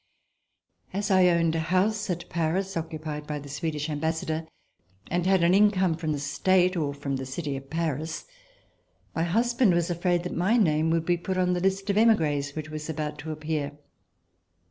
As I owned a house at Paris, occupied by the Swedish Ambassador, and had an income from the State, or from the City of Paris, my husband was afraid that my name would be put upon the list of emigres which was about to appear.